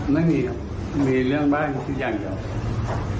ไม่มีครับมีเรื่องบ้านอย่างเดียว